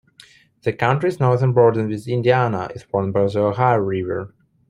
The county's northern border with Indiana is formed by the Ohio River.